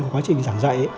quá trình giảng dạy